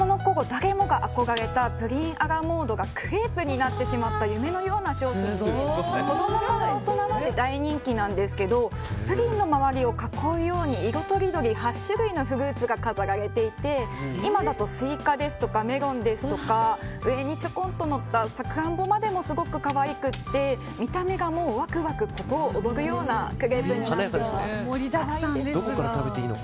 誰もが憧れたプリンアラモードがクレープになってしまった夢のような商品で子供から大人まで大人気なんですけどプリンの周りを囲うように色とりどり８種類のフルーツが飾られていて今だとスイカですとかメロンですとか上にちょこんとのったサクランボまでもすごく可愛くて見た目がワクワク心躍るようなクレープになっています。